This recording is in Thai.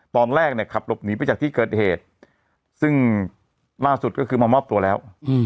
ตอนแรกเนี่ยขับหลบหนีไปจากที่เกิดเหตุซึ่งล่าสุดก็คือมามอบตัวแล้ว